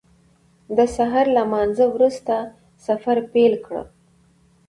د سهار له لمانځه وروسته سفر پیل کړ.